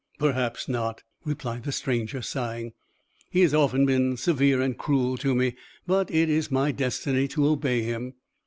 "Perhaps not," replied the stranger, sighing. "He has often been severe and cruel to me. But it is my destiny to obey him."